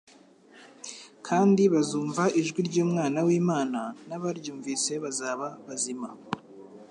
kandi bazumva ijwi ry'Umwana w'Imana n'abaryumvise bazaba bazima"